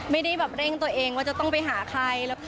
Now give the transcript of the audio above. ไม่ได้แบบเร่งตัวเองว่าจะต้องไปหาใคร